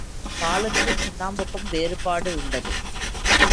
பாலுக்கும் சுண்ணாம்புக்கும் வேறுபாடு உள்ளது.